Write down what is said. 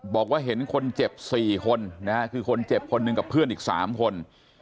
บอกว่าเห็นคนเจ็บ๔คนนะฮะคือคนเจ็บคนหนึ่งกับเพื่อนอีก๓คน